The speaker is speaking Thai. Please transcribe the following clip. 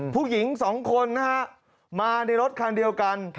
ผู้หญิงสองคนนะฮะมาในรถคันเดียวกัน